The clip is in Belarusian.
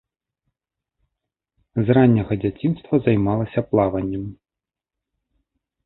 З ранняга дзяцінства займалася плаваннем.